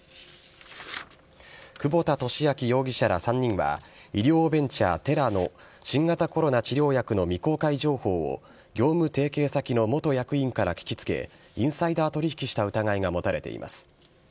久保田俊明容疑者ら３人は、医療ベンチャー、テラの新型コロナ治療薬の未公開情報を、業務提携先の元役員から聞きつけ、インサイダー取引した疑いが持たれています。